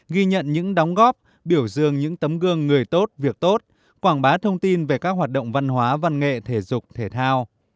ghi nhận những đóng góp biểu dương những tấm gương người tốt việc tốt quảng bá thông tin về các hoạt động văn hóa văn nghệ thể dục thể thao